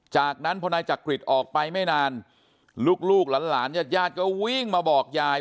จากนั้นพอนายจักริตออกไปไม่นานลูกหลานญาติญาติก็วิ่งมาบอกยาย